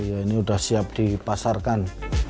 iya ini udah siap dipasarkan